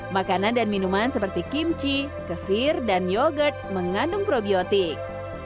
makanan dan minuman seperti kimchi kesir dan yogurt mengandung probiotik